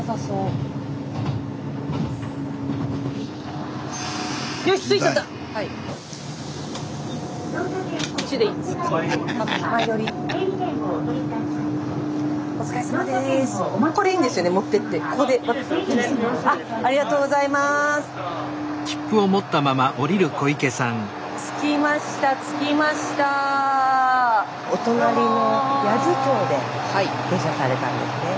スタジオお隣の八頭町で下車されたんですね。